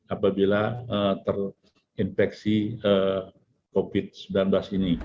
apabila terinfeksi covid sembilan belas ini